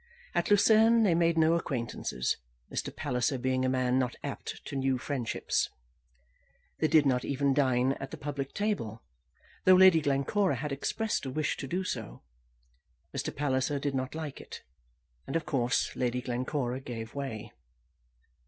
At Lucerne they made no acquaintances, Mr. Palliser being a man not apt to new friendships. They did not even dine at the public table, though Lady Glencora had expressed a wish to do so. Mr. Palliser did not like it, and of course Lady Glencora gave way.